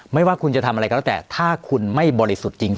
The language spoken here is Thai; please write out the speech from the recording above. ไม่ว่าคุณจะทำอะไรก็แล้วแต่ถ้าคุณไม่บริสุทธิ์จริง